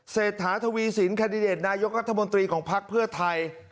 เศรษฐาทวีสินแคนดิเดตนายกรัฐมนตรีของภักดิ์เพื่อไทย